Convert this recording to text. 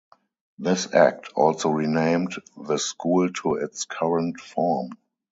This act also renamed the school to its current form.